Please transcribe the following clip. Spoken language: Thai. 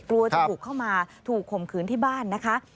กลัวจะบุกเข้ามาถูกข่มขืนที่บ้านนะคะ